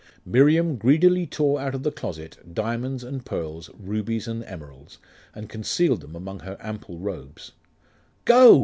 Miriam greedily tore out of the closet diamonds and pearls, rubies and emeralds, and concealed them among her ample robes 'Go!